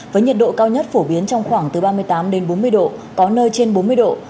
với nhiệt độ cao nhất phổ biến trong khoảng từ ba mươi tám bốn mươi độ c có nơi trên bốn mươi độ c